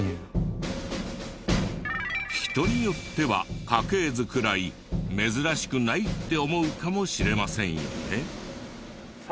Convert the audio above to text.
人によっては家系図くらい珍しくないって思うかもしれませんよね。